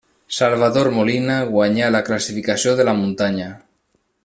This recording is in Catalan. Salvador Molina guanyà la classificació de la muntanya.